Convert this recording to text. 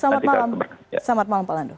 selamat malam pak lando